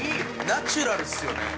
ナチュラルですよね。